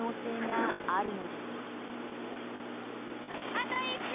あと１周！